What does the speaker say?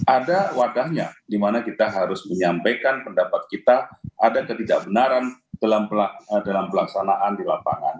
ada wadahnya di mana kita harus menyampaikan pendapat kita ada ketidakbenaran dalam pelaksanaan di lapangan